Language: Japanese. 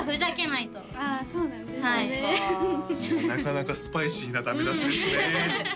なかなかスパイシーなダメ出しですね